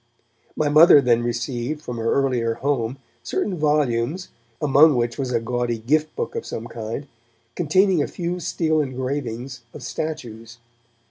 My mother then received from her earlier home certain volumes, among which was a gaudy gift book of some kind, containing a few steel engravings of statues.